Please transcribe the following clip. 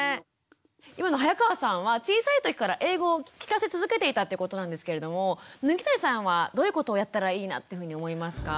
今の早川さんは小さい時から英語を聞かせ続けていたということなんですけれども麦谷さんはどういうことをやったらいいなっていうふうに思いますか？